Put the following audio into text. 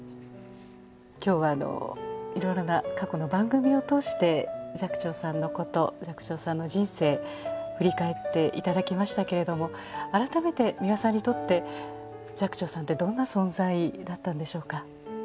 今日はいろいろな過去の番組を通して寂聴さんのこと寂聴さんの人生振り返って頂きましたけれども改めて美輪さんにとって寂聴さんってどんな存在だったんでしょうか？